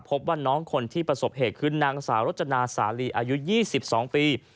พบว่าน้องคนที่ประสบเหตุคือนางสาวรจนาสาลีอายุ๒๒ปี